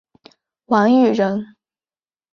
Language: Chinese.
王羽人。